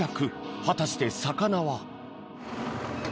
果たして魚は。